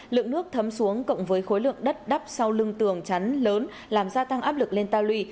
lượng nước thấm xuống cộng với khối lượng đất đắp sau lưng tường chắn lớn làm gia tăng áp lực lên ta lùi